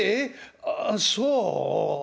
あっそう。